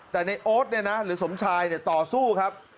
แต่ในโอ๊ตเนี่ยนะหรือสมชายเนี่ยต่อสู้ครับ